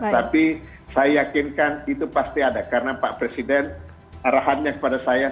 tapi saya yakinkan itu pasti ada karena pak presiden arahannya kepada saya